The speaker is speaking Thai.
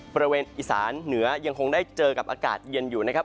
บริเวณอีสานเหนือยังคงได้เจอกับอากาศเย็นอยู่นะครับ